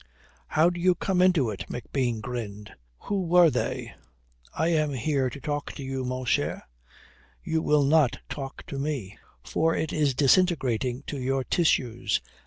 "How do you come into it?" McBean grinned. "Who were they?" "I am here to talk to you, mon cher. You will not talk to me, for it is disintegrating to your tissues.